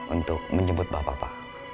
untuk menjemput bapak pak